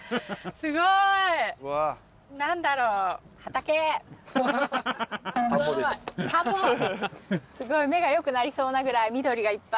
すごい目が良くなりそうなぐらい緑がいっぱい。